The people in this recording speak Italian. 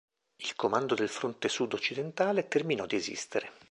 Il comando del fronte sud occidentale terminò di esistere.